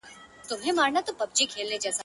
کله وخت کله ناوخته مي وهلی -